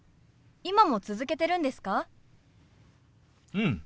うん。